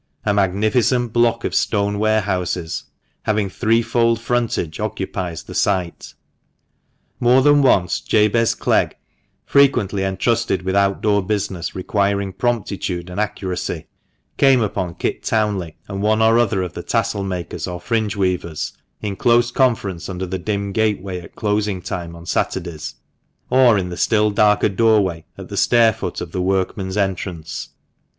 A magnificent block of stone warehouses, having threefold frontage, occupies the site. More than once Jabez Clegg, frequently entrusted with outdoor business requiring promptitude and accuracy, came upon Kit Townley, and one or other of the tassel makers or fringe weavers, THE MANCHESTER MAN, 155 in close conference under the dim gateway at closing time on Saturdays, or in the still darker doorway at the stairfoot of the workmen's entrance.